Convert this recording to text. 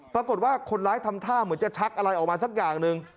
ปรากฏว่าคนร้ายทำท่าเหมือนจะชักอะไรออกมาสักอย่างหนึ่ง